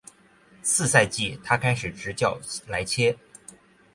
次赛季他开始执教莱切。